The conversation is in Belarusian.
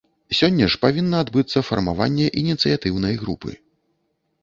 Сёння ж павінна адбыцца фармаванне ініцыятыўнай групы.